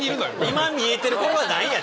今見えてるこれは何や？